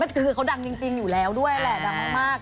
คือเขาดังจริงอยู่แล้วด้วยแหละดังมาก